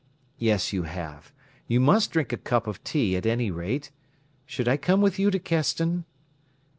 "Yes, you have. You must drink a cup of tea at any rate. Should I come with you to Keston?"